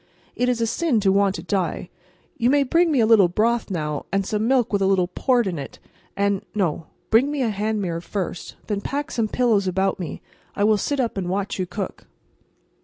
It is a sin to want to die. You may bring me a little broth now, and some milk with a little port in it, and—no; bring me a hand mirror first, and then pack some pillows about me, and I will sit up and watch you cook."